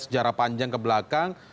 sejarah panjang ke belakang